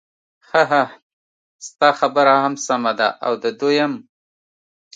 ههه ستا خبره هم سمه ده او د دوی هم.